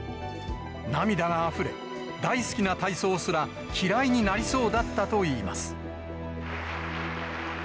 涙があふれ、大好きな体操すら、嫌いになりそうだったといいます。